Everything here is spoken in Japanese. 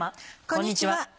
こんにちは。